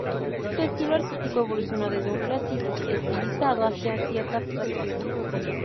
Su estilo artístico evolucionó desde un clasicismo estilizado hacia cierta abstracción.